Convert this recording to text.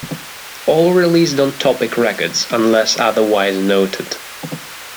All released on Topic Records unless otherwise noted.